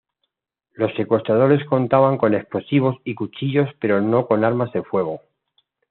Los secuestradores contaban con explosivos y cuchillos pero no con armas de fuego.